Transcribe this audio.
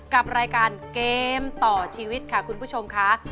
กับรายการเกมต่อชีวิตค่ะคุณผู้ชมค่ะ